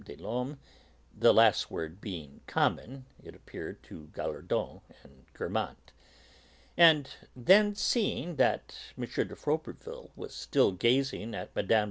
des Laumes (the last word being common, it appeared, to Gallardon and Guermantes). And then, seeing that M. de Froberville was still gazing at Mme.